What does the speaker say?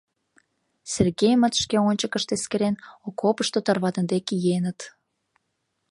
Сергеймыт, шке ончыкышт эскерен, окопышто тарваныде киеныт.